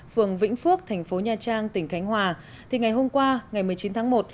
phường vĩnh phước thành phố nha trang tỉnh khánh hòa thì ngày hôm qua ngày một mươi chín tháng một